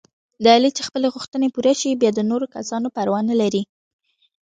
د علي چې خپلې غوښتنې پوره شي، بیا د نورو کسانو پروا نه لري.